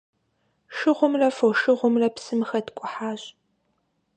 Шыгъумрэ фошыгъумрэ псым хэткӀухьащ.